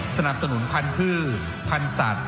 สนับสนุนพันธุ์พืชพันธุ์สัตว์